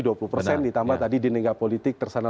ditambah tadi di negara politik